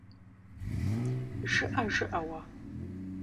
ЖыӀэ, жыӀэ уэ…